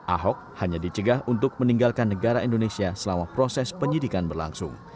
ahok hanya dicegah untuk meninggalkan negara indonesia selama proses penyidikan berlangsung